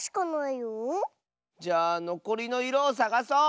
じゃあのこりのいろをさがそう！